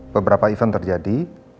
beberapa event terjadi